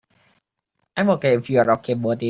I'm OK if you're OK about it.